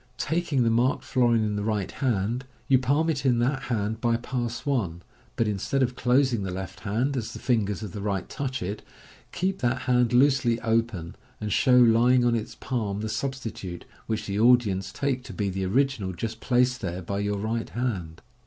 Taking the marked florin in the right hand, you palm it in that hand by Pass i, but instead of closing the left hand as the fingers of the right touch it, keep that hand loosely open, and show lying on its palm the substitute, which the audience take to be the original just placed there by your right hand.